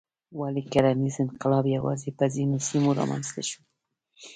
ولې کرنیز انقلاب یوازې په ځینو سیمو رامنځته شو؟